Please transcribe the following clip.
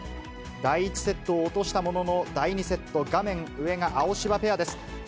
第１セットを落としたものの、第２セット、画面上が青柴ペアです。